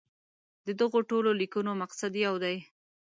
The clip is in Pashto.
د دغو ټولو لیکنو مقصد یو دی.